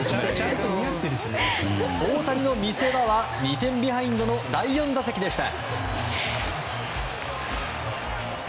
大谷の見せ場は２点ビハインドの第４打席でした。